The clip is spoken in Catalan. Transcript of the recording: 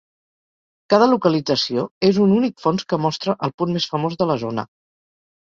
Cada localització és un únic fons que mostra el punt més famós de la zona.